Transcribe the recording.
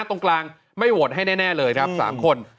ตรงกลางไม่โหวตให้แน่เลยครับ๓คน